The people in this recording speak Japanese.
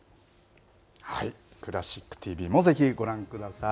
クラシックＴＶもぜひご覧ください。